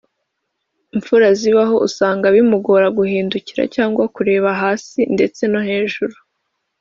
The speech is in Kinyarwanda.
Mfurazibaho usanga bimugora guhindukira cyangwa kureba hasi ndetse no hejuru